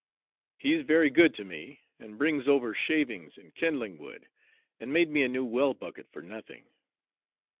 He's very good to me, and brings over shavings and kindling wood, and made me a new well bucket for nothing.